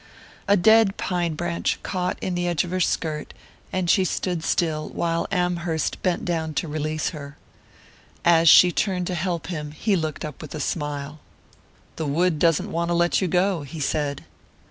A dead pine branch caught in the edge of her skirt, and she stood still while Amherst bent down to release her. As she turned to help him he looked up with a smile. "The wood doesn't want to let you go," he said.